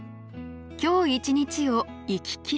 「今日一日を生ききる」。